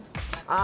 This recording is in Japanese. あ！